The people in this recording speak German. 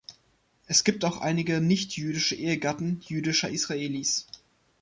Es gibt auch einige nicht jüdische Ehegatten jüdischer Israelis.